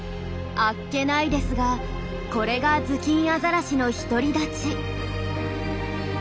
あっけないですがこれがズキンアザラシの独り立ち。